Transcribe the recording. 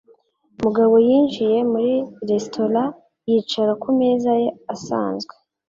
Mugabo yinjiye muri resitora yicara ku meza ye asanzwe.